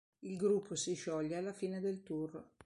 Il gruppo si scioglie alla fine del tour.